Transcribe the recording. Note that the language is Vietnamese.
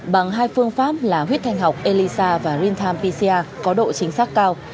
bằng hai phương pháp là huyết thanh học elisa và rintham pca có độ chính xác cao